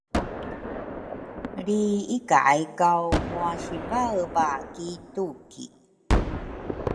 Lri ikay kaw ngwasivaeva ki tuki